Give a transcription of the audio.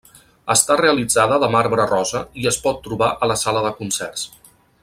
Està realitzada de marbre rosa i es pot trobar a la sala de concerts.